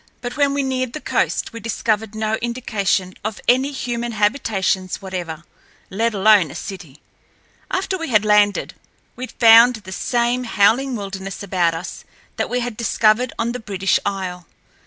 But when we neared the coast we discovered no indication of any human habitations whatever, let alone a city. After we had landed, we found the same howling wilderness about us that we had discovered on the British Isle.